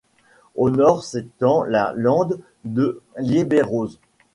Au nord s'étend la lande de Lieberose.